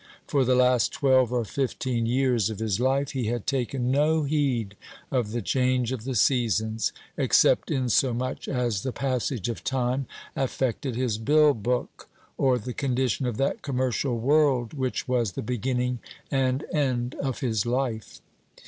For the last twelve or fifteen years of his life he had taken no heed of the change of the seasons, except insomuch as the passage of time affected his bill book, or the condition of that commercial world which was the beginning and end of his life.